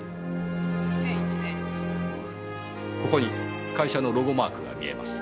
ここに会社のロゴマークが見えます。